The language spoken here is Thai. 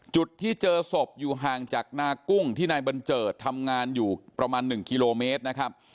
จุดที่เจอศพอยู่ห่างจากนากุ้งที่นายบัญเจิดทำงานอยู่ประมาณ๑กิโลเมตรนะครับ